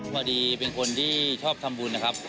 พอดีเป็นคนที่ชอบทำบุญนะครับ